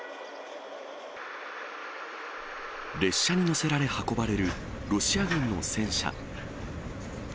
列車に載せられ、運ばれるロシア軍の戦車。